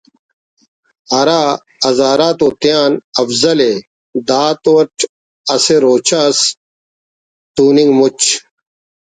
ہرا ہزار آ تُو تیان افضل ءِ دا تُو اٹ اسہ روچہ اس توننگ مچ